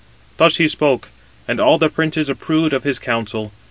Thus he spoke, and all the princes approved of his counsel.